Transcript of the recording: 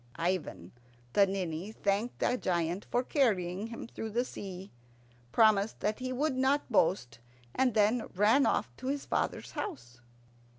Ivan the Ninny thanked the giant for carrying him through the sea, promised that he would not boast, and then ran off to his father's house.